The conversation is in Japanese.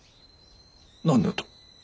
何だと。